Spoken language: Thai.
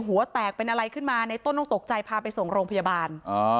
หัวแตกเป็นอะไรขึ้นมาในต้นต้องตกใจพาไปส่งโรงพยาบาล